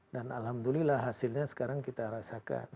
dan alhamdulillah hasilnya sekarang kita rasakan